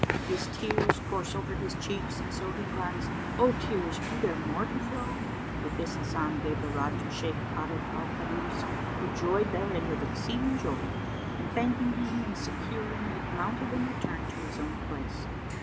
His tears course over his cheeks and so * He cries, 'O tears be there more to flow?'" With this Hasan gave the rod to Shaykh Abd al Kaddus, who joyed therein with exceeding joy and thanking him and securing it mounted and returned to his own place.